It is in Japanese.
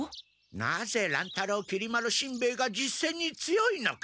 なぜ乱太郎きり丸しんべヱが実戦に強いのか。